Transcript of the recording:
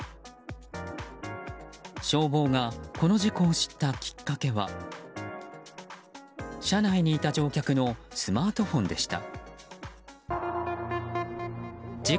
消防が、この事故を知ったきっかけは車内にいた乗客のスマートフォンでした。